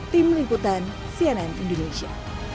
tim lingkutan cnn indonesia